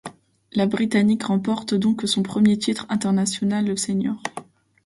La Britannique remporte donc son premier titre international sénior.